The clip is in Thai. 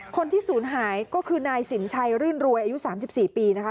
คนที่ศูนย์หายก็คือนายสินชัยรื่นรวยอายุ๓๔ปีนะคะ